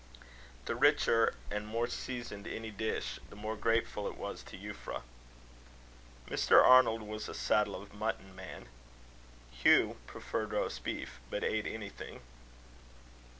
The richer and more seasoned any dish, the more grateful it was to Euphra. Mr. Arnold was a saddle of mutton man. Hugh preferred roast beef, but ate anything.